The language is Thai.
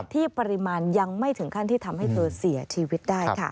ที่ปริมาณยังไม่ถึงขั้นที่ทำให้เธอเสียชีวิตได้ค่ะ